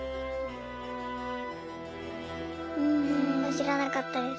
知らなかったです。